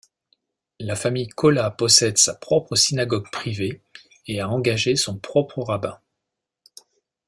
La famille Kaulla possède sa propre synagogue privée et a engagé son propre rabbin.